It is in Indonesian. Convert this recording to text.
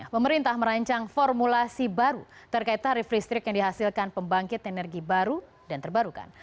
pemerintah merancang formulasi baru terkait tarif listrik yang dihasilkan pembangkit energi baru dan terbarukan